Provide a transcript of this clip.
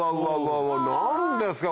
何ですか？